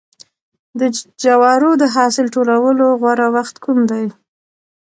د جوارو د حاصل ټولولو غوره وخت کوم دی؟